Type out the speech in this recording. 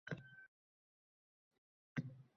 Yo’lchi sergak